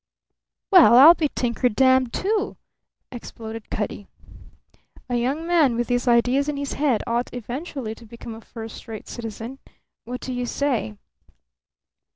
"Well, I'll be tinker dammed, too!" exploded Cutty. "A young man with these ideas in his head ought eventually to become a first rate citizen. What do you say?"